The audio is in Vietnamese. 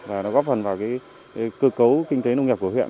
và nó góp phần vào cơ cấu kinh tế nông nghiệp của huyện